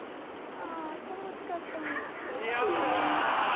あ楽しかったのに。